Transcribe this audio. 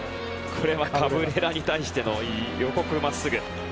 カブレラに対しての予告まっすぐ。